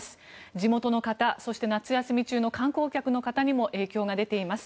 地元の方そして夏休み中の観光客の方にも影響が出ています。